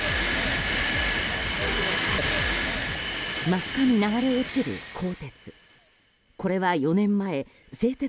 真っ赤に流れ落ちる、鋼鉄。